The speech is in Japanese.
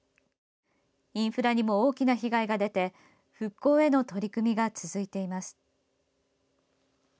インフラにも大きな被害が出て復興への取り組みが続いています。